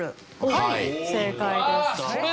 はい正解です。